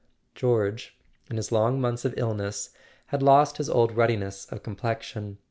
George, in his long months of illness, had lost his old ruddiness of complexion.